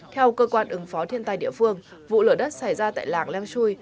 theo cơ quan ứng phó thiên tai địa phương vụ lở đất xảy ra tại làng leng shui